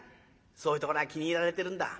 そういうところが気に入られてるんだ。